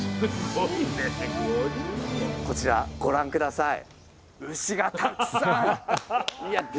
こちらご覧下さい。